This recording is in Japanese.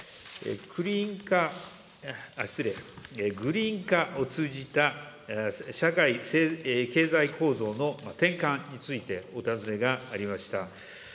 クリーン化、失礼、グリーン化を通じた社会経済構造の転換についてお尋ねがありました。